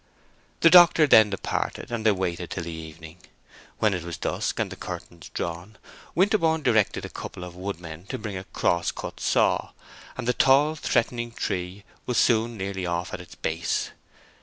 The doctor then departed, and they waited till the evening. When it was dusk, and the curtains drawn, Winterborne directed a couple of woodmen to bring a crosscut saw, and the tall, threatening tree was soon nearly off at its base.